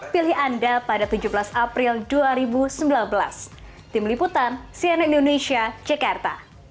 faktanya ini salah